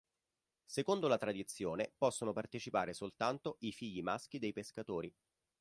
Secondo la tradizione, possono partecipare soltanto i figli maschi dei pescatori.